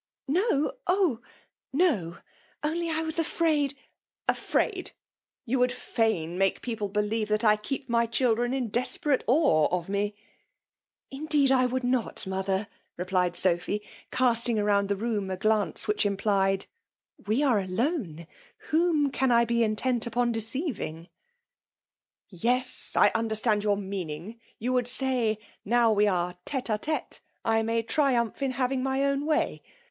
"" No,^ (di ! no !— only I was afraid —">,.<' Afraid ! you would fain make people, be s \\ VViUMJLB fDOM INULTIOK. 5 liev^'tbat I keep my diildren in despemte awe of me 1 " Indeed I would not, mother/' replied Sophy, casting roand the room a glance which implied' —'' We are alone ; whom can I be in tent upon deceiving ?"'< Yes ! I understand your meaning !— you weidd say, now we are tete a tete, I may triumph in having my own way.